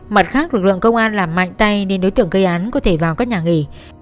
mặt khác lực lượng công an làm mạnh tay nên đối tượng gây án có thể vào các nhà nghỉ